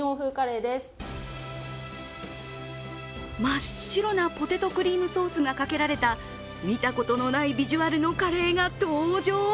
真っ白なポテトクリームソースがかけられた見たことのないビジュアルのカレーが登場。